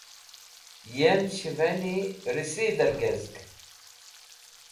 yem shiveni riseeder gezg